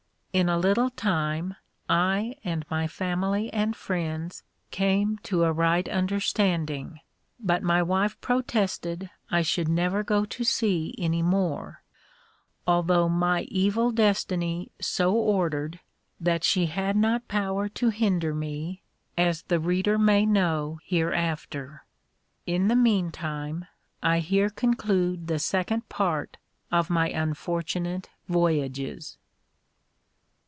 In a little time I and my family and friends came to a right understanding: but my wife protested I should never go to sea any more; although my evil destiny so ordered, that she had not power to hinder me, as the reader may know hereafter. In the meantime, I here conclude the Second Part of my unfortunate Voyages.